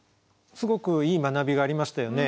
すごくいい学びがありましたよね。